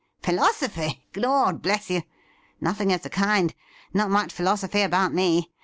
' Philosophy ! Lord bless you ! nothing of the kind. Not much philosophy about me.